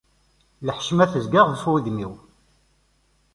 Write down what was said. Lḥecma tezga ɣef wudem-iw.